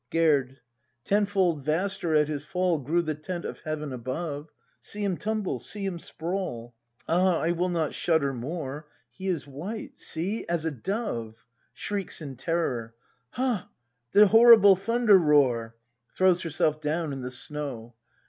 Gerd. Tenfold vaster at his fall Grew the tent of Heaven above! See him tumble; see him sprawl — I Ah, I will not shudder more; He is white, see, as a dove —! [Shrieks in terror,] Hu, the horrible thunder roar! [ Throivs iierself down in the snow.